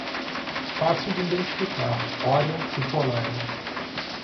Fácil de identificar Orion e Polaris